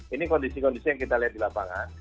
ini kondisi kondisi yang kita lihat di lapangan